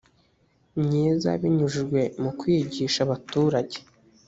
myiza binyujijwe mu kwigisha abaturage